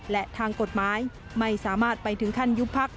และทางกฎหมายไม่สามารถไปถึงขั้นยุบพัก